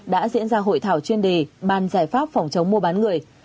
đã diễn ra hội thảo chuyên đề ban giải pháp phòng chống mô bán người